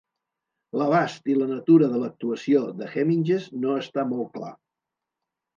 L'abast i la natura de l'actuació de Heminges no està molt clar.